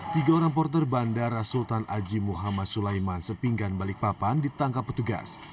tiga orang porter bandara sultan haji muhammad sulaiman sepinggan balikpapan ditangkap petugas